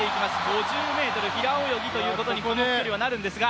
５０ｍ平泳ぎということにこの２人はなるんですが。